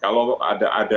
kalau ada perbedaan